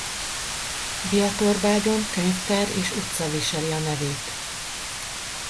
Biatorbágyon könyvtár és utca viseli a nevét.